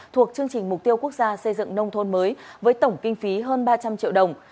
thuộc chương trình mục tiêu quốc gia xây dựng nông thôn mới với tổng kinh phí hơn ba trăm linh triệu đồng